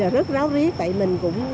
rất ráo riết tại mình cũng